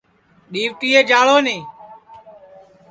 ڈؔؔیوٹیئے جݪاو نی